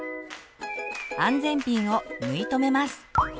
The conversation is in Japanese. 安全ピンを縫いとめます。